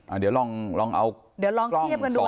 เดี๋ยวลองลองเอาเดี๋ยวลองเทียบกันดู